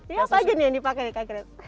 ini apa aja nih yang dipakai kak grace